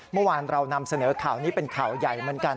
เมื่อวานเรานำเสนอข่าวนี้เป็นข่าวใหญ่เหมือนกัน